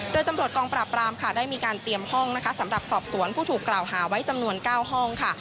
โดยตำรวจกองปราบรามค่ะได้มีการเตรียมห้องนะคะสำหรับสอบสวนผู้ถูกกล่าวหาไว้จำนวน๙ห้องค่ะ